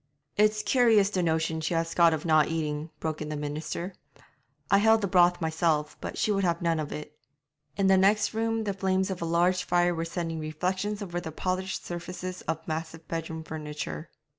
'It's curious the notion she has got of not eating,' broke in the minister. 'I held the broth myself, but she would have none of it.' In the next room the flames of a large fire were sending reflections over the polished surfaces of massive bedroom furniture.